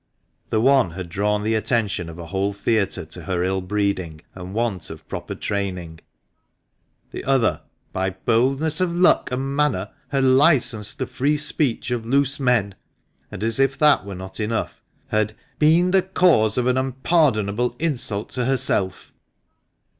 The one had drawn the attention of a whole theatre to her ill breeding and want of proper training; the other by " boldness of look and manner had licensed the free speech of loose men ;" and, as if that were not enough, had "been the cause of an unpardonable insult to herself."